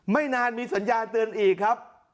ไม่นานมีสัญญาณเตือนอีกครับ